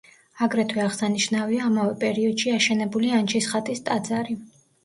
აგრეთვე აღსანიშნავია ამავე პერიოდში აშენებული ანჩისხატის ტაძარი.